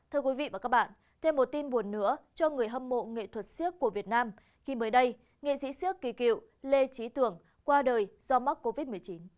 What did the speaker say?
thưa quý vị và các bạn thêm một tin buồn nữa cho người hâm mộ nghệ thuật siếc của việt nam khi mới đây nghệ sĩ siếc kỳ cựu lê trí tưởng qua đời do mắc covid một mươi chín